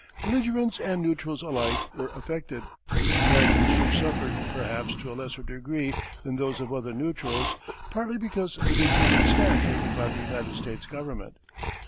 Belligerents and neutrals alike were affected. American ships suffered, perhaps, to a lesser degree, than those of other neutrals, partly because of the determined stand taken by the United States Government.